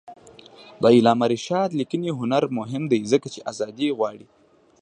د علامه رشاد لیکنی هنر مهم دی ځکه چې آزادي غواړي.